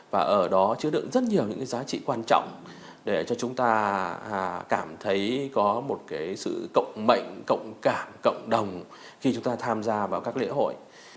và ở đó chứa đựng rất nhiều những cái giá trị quan trọng để cho chúng ta cảm thấy có một cái sự cộng mệnh cộng cảm cộng đồng khi chúng ta tham gia vào các lễ hội